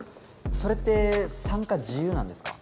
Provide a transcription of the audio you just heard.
それって参加自由なんですか？